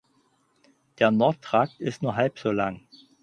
Der Nordtrakt ist nur halb so lang.